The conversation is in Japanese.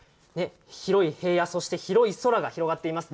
広い平野、そして広い空が広がっています。